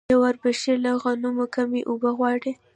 آیا وربشې له غنمو کمې اوبه غواړي؟